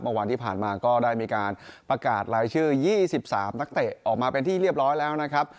วันที่ผ่านมาก็ได้มีการประกาศรายชื่อ๒๓นักเตะออกมาเป็นที่เรียบร้อยแล้วนะครับ